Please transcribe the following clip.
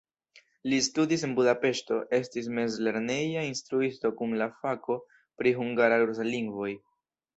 Li studis en Budapeŝto, estis mezlerneja instruisto kun la fako pri hungara-rusa lingvoj.